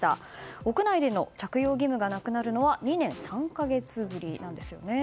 屋内での着用義務がなくなるのは２年３か月ぶりなんですね。